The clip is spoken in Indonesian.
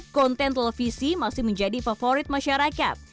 konten televisi masih menjadi favorit masyarakat